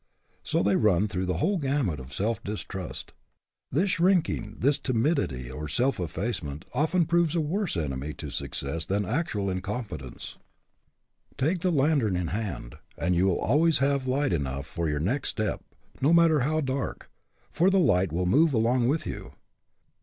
So they run through the whole gamut of self distrust. This shrinking, this timidity or self effacement, often proves a worse enemy to success than actual incompetence. Take the lantern in the HE CAN WHO THINKS HE CAN 9 hand, and you will always have light enough for your next step, no matter how dark, for the light will move along with you.